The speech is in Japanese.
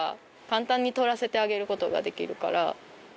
簡単に取らせてあげる事ができるから。